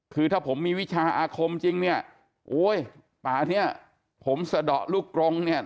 คือถ้าผมมีวิชาอาคมจริงเนี่ยโอ้ยป่าเนี้ยผมสะดอกลูกกรงเนี่ย